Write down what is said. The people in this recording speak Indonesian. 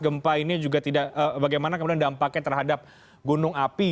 gempa ini juga tidak bagaimana kemudian dampaknya terhadap gunung api